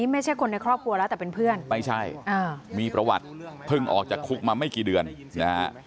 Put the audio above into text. ไม่ใช่มีประวัตรเพิ่งออกจากคุกมาไม่กี่เดือน